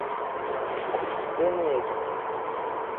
benjeto